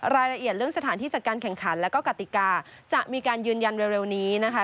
รายละเอียดเรื่องสถานที่จัดการแข่งขันแล้วก็กติกาจะมีการยืนยันเร็วนี้นะคะ